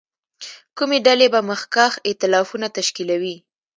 کومې ډلې به مخکښ اېتلافونه تشکیلوي.